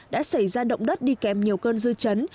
đã xảy ra động đất đi kèm nhiều cơn dư chấn